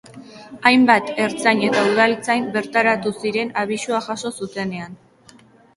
Hainbat ertzain eta udaltzain bertaratu ziren abisua jaso zutenean.